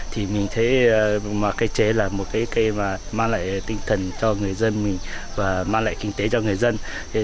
thì mình thấy cây chế là một cây mà mang lại tinh thần cho người dân mình và mang lại kinh tế cho người dân